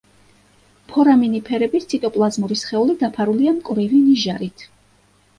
ფორამინიფერების ციტოპლაზმური სხეული დაფარულია მკვრივი ნიჟარით.